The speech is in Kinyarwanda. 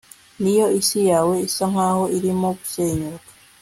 niyo isi yawe isa nkaho irimo gusenyuka…